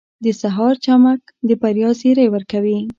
• د سهار چمک د بریا زیری ورکوي.